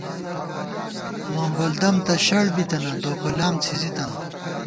مونگولدم تہ شڑ بِتَنہ ، دوکلام څھِزی تنہ